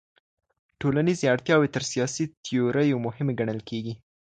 ټولنيزي اړتياوي تر سياسي تيوريو مهمي ګڼل کېږي.